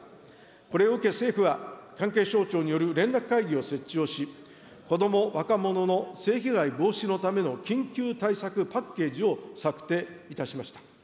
これを受け、政府は関係省庁による連絡会議を設置をし、こども・若者の性被害防止のための緊急対策パッケージを策定いたしました。